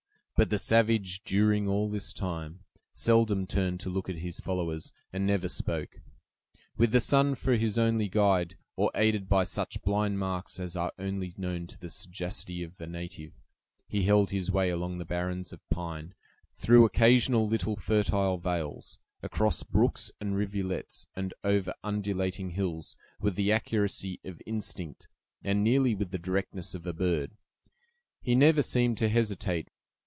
But the savage, during all this time, seldom turned to look at his followers, and never spoke. With the sun for his only guide, or aided by such blind marks as are only known to the sagacity of a native, he held his way along the barrens of pine, through occasional little fertile vales, across brooks and rivulets, and over undulating hills, with the accuracy of instinct, and nearly with the directness of a bird. He never seemed to hesitate.